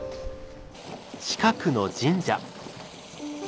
近くの神社。